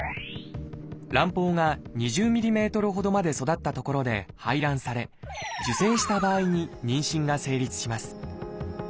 卵胞が２０ｍｍほどまで育ったところで排卵され受精した場合に妊娠が成立します。